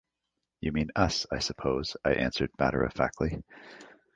‘You mean us, I suppose’, I answered matter-of-factly.